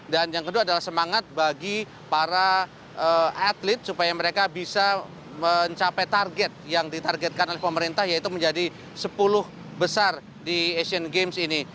dan yang kedua adalah semangat bagi para atlet supaya mereka bisa mencapai target yang ditargetkan oleh pemerintah yaitu menjadi sepuluh besar di asian games ini